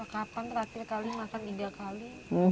kapan terakhir kali makan tiga kali